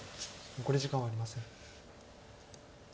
残り時間はありません。